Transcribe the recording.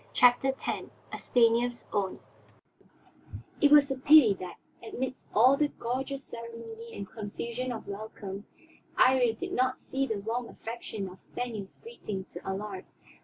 CHAPTER X A STANIEF'S OWN It was a pity that, amidst all the gorgeous ceremony and confusion of welcome, Iría did not see the warm affection of Stanief's greeting to Allard.